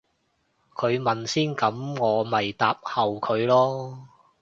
佢問先噉我咪答後佢咯